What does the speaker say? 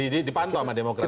dipantau sama demokrat